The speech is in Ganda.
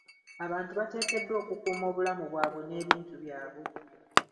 Abantu bateekeddwa okukuuma obulamu bwabwe n'ebintu byabwe.